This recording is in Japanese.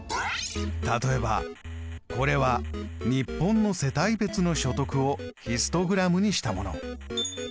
例えばこれは日本の世帯別の所得をヒストグラムにしたもの。